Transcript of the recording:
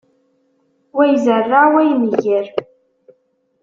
Wa izerreε, wa imegger.